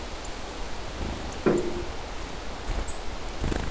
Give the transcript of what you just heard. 牵引力和制动力通过中心牵引销传递。